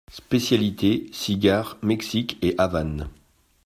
Spécialité cigares Mexique et Havane.